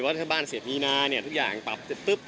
ว่าถ้าบ้านเสร็จมีนาทุกอย่างปรับ